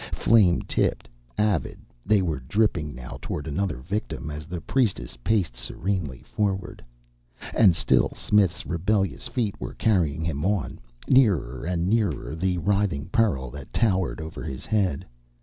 Flame tipped, avid, they were dipping now toward another victim as the priestess paced serenely forward. And still Smith's rebellious feet were carrying him on, nearer and nearer the writhing peril that towered over his head.